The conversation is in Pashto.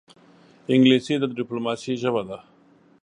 انګلیسي د ډیپلوماسې ژبه ده